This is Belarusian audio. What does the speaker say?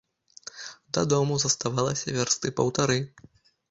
Да дому заставалася вярсты паўтары.